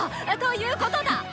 いうことだ！